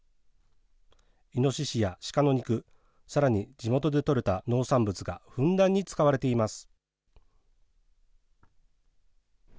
イノシシや鹿の肉、さらに地元でとれた農産物がふんだんに使われています。